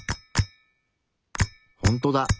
ほんとだ。